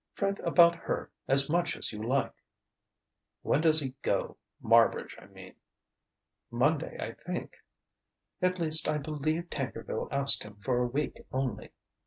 Fret about her as much as you like." "When does he go Marbridge, I mean?" "Monday, I think. At least, I believe Tankerville asked him for a week only."